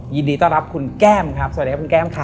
ยินดีต้อนรับคุณแก้มครับสวัสดีครับคุณแก้มครับ